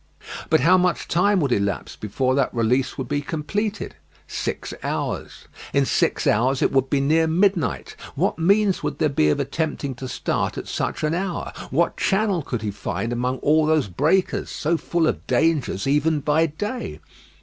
But how much time would elapse before that release would be completed? Six hours. In six hours it would be near midnight. What means would there be of attempting to start at such an hour? What channel could he find among all those breakers, so full of dangers even by day?